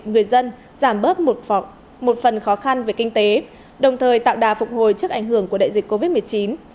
người dân giảm bớt một phần khó khăn về kinh tế đồng thời tạo đà phục hồi trước ảnh hưởng của đại dịch covid một mươi chín